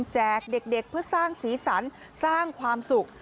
เด็กเพื่อสร้างสีสันสร้างความสุข